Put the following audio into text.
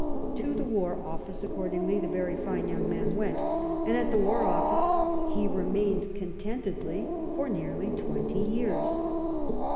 To the War Office, accordingly, the very fine young man went, and at the War Office he remained conten tedly for nearly twenty years.